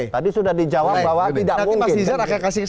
tadi sudah dijawab bahwa tidak mungkin